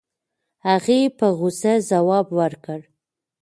هغې په غوسه ځواب ورکړ.